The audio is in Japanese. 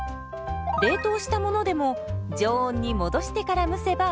冷凍したものでも常温に戻してから蒸せばＯＫ。